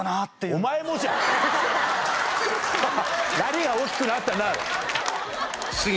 何が「大きくなったなあ」だ。